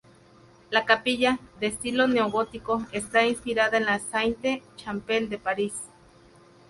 La capilla, de estilo neogótico, está inspirada en la Sainte Chapelle de París.